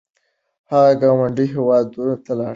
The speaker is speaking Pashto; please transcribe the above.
هغه ګاونډي هیواد ته لاړ